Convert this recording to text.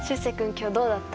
今日どうだった？